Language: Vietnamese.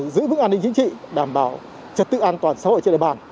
giữ vững an ninh chính trị đảm bảo trật tự an toàn xã hội trên địa bàn